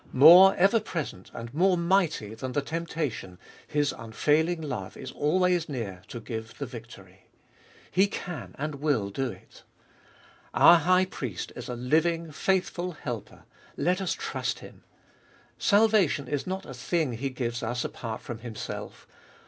More ever present and more mighty than the temptation, His unfailing love is always near to give the victory. He can and will do it. Our High Priest is a living, faithful helper : let us trust Him. Salvation is not a thing He gives us apart from Himself.